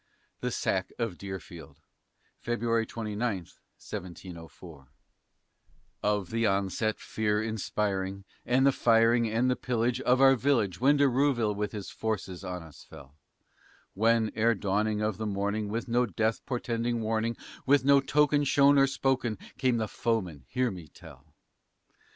THE SACK OF DEERFIELD [February 29, 1704] Of the onset, fear inspiring, and the firing and the pillage Of our village, when De Rouville with his forces on us fell, When, ere dawning of the morning, with no death portending warning, With no token shown or spoken, came the foeman, hear me tell.